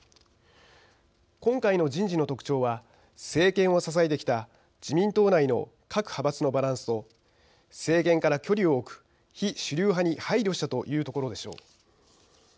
今回の人事の特徴は政権を支えてきた自民党内の各派閥のバランスと政権から距離を置く非主流派に配慮したというところでしょう。